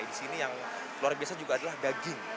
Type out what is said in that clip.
di sini yang luar biasa juga adalah daging